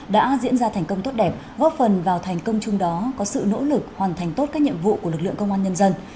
đã diễn ra thành công tốt đẹp góp phần vào thành công chung đó có sự nỗ lực hoàn thành tốt các nhiệm vụ của lực lượng công an nhân dân